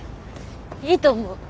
いいと思う。